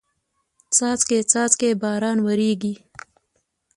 څاڅکي څاڅکي باران وریږي